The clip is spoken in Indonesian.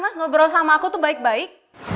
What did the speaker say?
mas ngobrol sama aku tuh baik baik